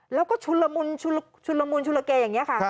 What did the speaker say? แล้วก็ชุลมุนชุลเกย์อย่างนี้ค่ะ